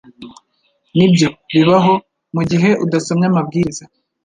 Nibyo bibaho mugihe udasomye amabwiriza